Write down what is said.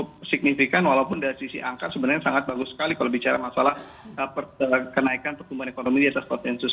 cukup signifikan walaupun dari sisi angka sebenarnya sangat bagus sekali kalau bicara masalah kenaikan pertumbuhan ekonomi di atas konsensus